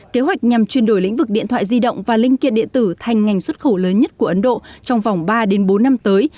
kế hoạch nhằm chuyển đổi lĩnh vực điện thoại di động và linh kiện điện tử thành ngành xuất khẩu lớn nhất của ấn độ trong vòng ba bốn năm tới